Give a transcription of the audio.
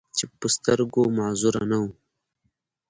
چې پۀ سترګو معذور نۀ وو،